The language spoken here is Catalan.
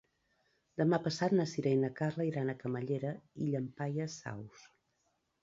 Demà passat na Sira i na Carla iran a Camallera i Llampaies Saus.